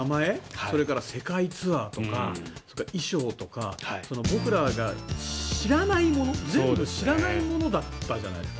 それから世界ツアーとか衣装とか、僕らが知らないもの全部知らないものだったじゃないですか。